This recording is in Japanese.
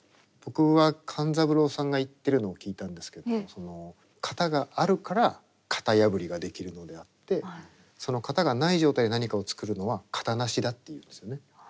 僕は勘三郎さんが言ってるのを聞いたんですけど型があるから型破りができるのであって型がない状態で何かを作るのは型なしだって言うんですよね。